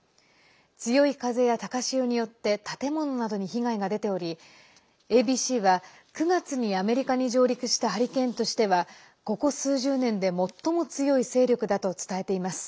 強い風や高潮によって建物などに被害が出ておりＡＢＣは９月にアメリカに上陸したハリケーンとしてはここ数十年で最も強い勢力だと伝えています。